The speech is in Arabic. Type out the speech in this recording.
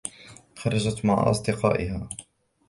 خرجت مع أصدقائها.